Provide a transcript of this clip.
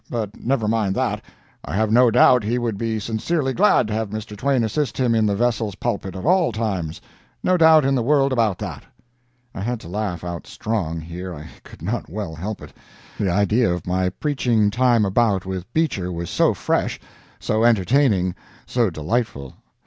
But never mind that—I have no doubt he would be sincerely glad to have Mr. Twain assist him in the vessel's pulpit at all times—no doubt in the world about that." I had to laugh out strong, here I could not well help it. The idea of my preaching time about with Beecher was so fresh, so entertaining, so delightful.